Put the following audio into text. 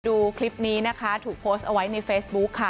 ดูคลิปนี้นะคะถูกโพสต์เอาไว้ในเฟซบุ๊คค่ะ